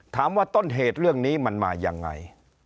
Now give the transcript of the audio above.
ถามว่าต้นเหตุเรื่องนี้มันมาอย่างไร